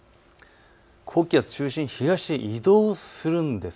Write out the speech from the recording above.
高気圧、中心、東へ移動するんです。